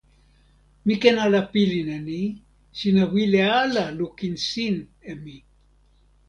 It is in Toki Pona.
mi ken ala pilin e ni: sina wile ala lukin sin e mi.